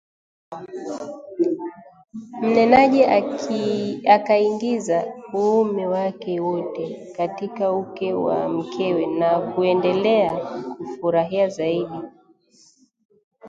Mnenaji akaingiza uume wake wote katika uke wa mkewe na kuendelea kufurahia zaidi